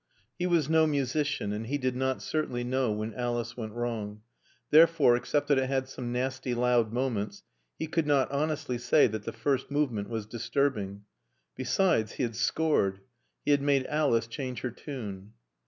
He was no musician and he did not certainly know when Alice went wrong; therefore, except that it had some nasty loud moments, he could not honestly say that the First Movement was disturbing. Besides, he had scored. He had made Alice change her tune.